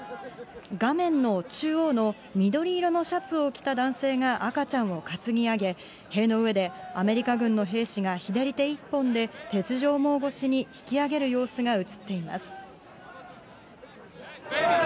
画面の中央の緑色のシャツを着た男性が赤ちゃんを担ぎ上げ、塀の上でアメリカ軍の兵士が、左手一本で、鉄条網越しに引き上げる様子が映っています。